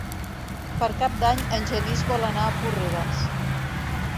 Per Cap d'Any en Genís vol anar a Porreres.